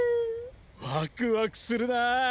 ワクワクするなぁ。